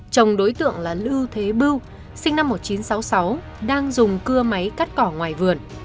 chồng đối tượng là lưu thế bưu sinh năm một nghìn chín trăm sáu mươi sáu đang dùng cưa máy cắt cỏ ngoài vườn